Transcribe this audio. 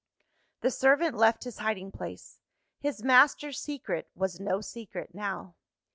The servant left his hiding place: his master's secret, was no secret now.